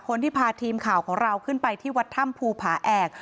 คนที่พาทีมข่าวของเราขึ้นไปที่วัดถ้ำภูผาแอก